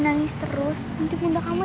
orang yang tadi siang dimakamin